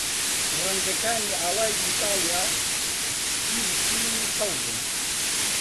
ڕەنگەکانی ئاڵای ئیتاڵیا سپی، سوور، و سەوزن.